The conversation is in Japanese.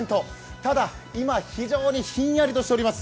ただ、今、非常にひんやりとしております。